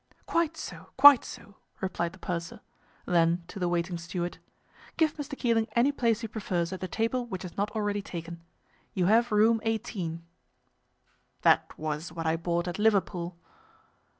"Quite so—quite so," replied the purser. Then, to the waiting steward, "Give Mr. Keeling any place he prefers at the table which is not already taken. You have Room 18." "That was what I bought at Liverpool."